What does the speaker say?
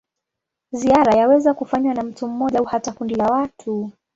Ziara yaweza kufanywa na mtu mmoja au hata kundi la watu.